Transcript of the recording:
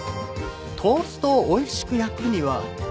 トーストをおいしく焼くには。